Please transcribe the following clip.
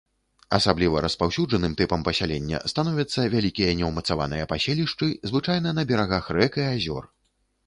Асабліва распаўсюджаным тыпам пасялення становяцца вялікія неўмацаваныя паселішчы, звычайна на берагах рэк і азёр.